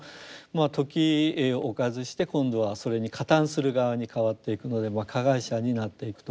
時を置かずして今度はそれに加担する側に変わっていくので加害者になっていくと。